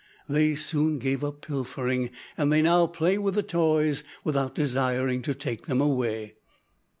They soon gave up pilfering, and they now play with the toys without desiring to take them away."